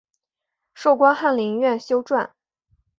授官翰林院修撰。